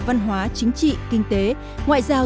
văn hóa chính trị kinh tế ngoại giao